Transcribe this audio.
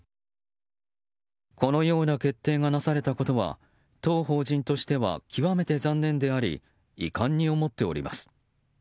このような決定がなされたことは当法人として極めて残念であり遺憾に思っております。